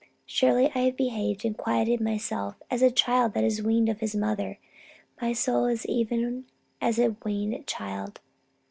Surely I have behaved and quieted myself, as a child that is weaned of his mother: my soul is even as a weaned child